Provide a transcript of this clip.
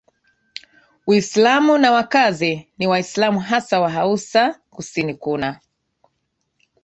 Uislamu na wakazi ni Waislamu hasa Wahausa Kusini kuna